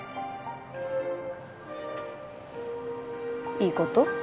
いいこと？